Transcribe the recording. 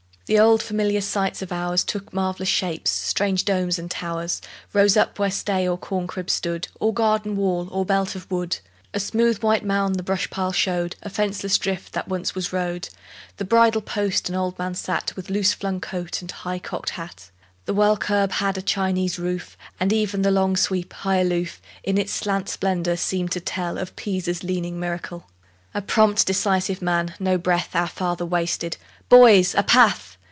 The old familiar sights of ours Took marvellous shapes; strange domes and towers Rose up where sty or corn crib stood, Or garden wall, or belt of wood; A smooth white mound the brush pile showed, A fenceless drift what once was road; The bridle post an old man sat With loose flung coat and high cocked hat; The well curb had a Chinese roof; And even the long sweep, high aloof, In its slant splendour, seemed to tell Of Pisa's leaning miracle. A prompt, decisive man, no breath Our father wasted: "Boys, a path!"